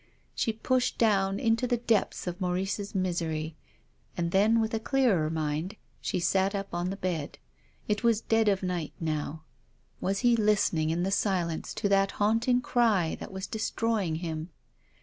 She pushed down into the depths of Maurice's misery. And then, with a clearer mind, she sat up on the bed. It was dead of night now. Was he listening in the silence to that haunting cry that was destroying him